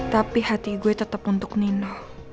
tapi hati gue tetep untuk nino